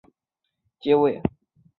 由他的儿子埃兰迪尔接位。